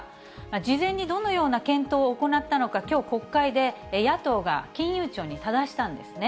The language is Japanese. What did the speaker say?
事前にどのような検討を行ったのか、きょう、国会で野党が金融庁にただしたんですね。